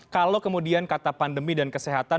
kalau kemudian kata pandemi dan kesehatan